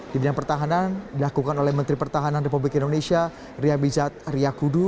di bidang pertahanan dilakukan oleh menteri pertahanan republik indonesia ria bizat ria kudu